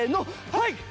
はい！